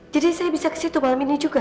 jadi saya bisa ke situ malam ini juga